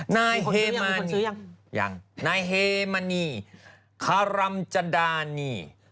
นายเฮมันยังนายเฮมณีคารัมจดานี